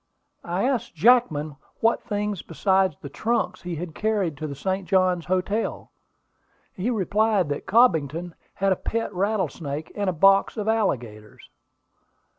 "I asked Jackman what things besides the trunks he had carried to the St. Johns Hotel. He replied that Cobbington had a pet rattlesnake and a box of alligators."